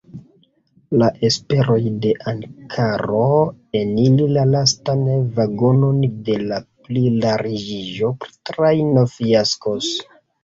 La esperoj de Ankaro eniri la lastan vagonon de la plilarĝiĝo-trajno fiaskos.